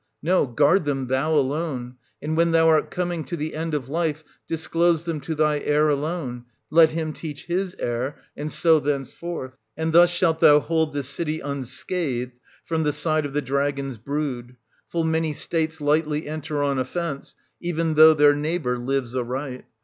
No, guard them thou alone ; and when thou 1530 art coming to the end of life, disclose them to thy heir alone ; let him teach his heir ; and so thenceforth. And thus shalt thou hold this city unscathed from the side of the Dragon's brood ;— full many States lightly enter on offence, e'en though their neighbour lives aright.